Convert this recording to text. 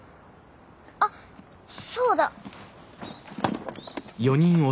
あっそうだ！